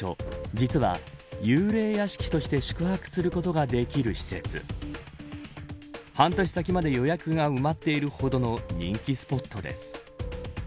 実は幽霊屋敷として宿泊することができる施設半年先まで予約が埋まっているほどの人気スポットです。